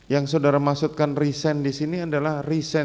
yang saudara maksudkan resign disini adalah resign sebagai ajudan